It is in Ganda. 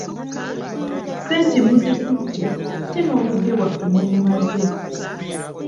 Ssente muzitutte, ate n'obudde bwaffe mubumaze.